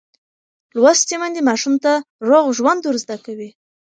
لوستې میندې ماشوم ته روغ ژوند ورزده کوي.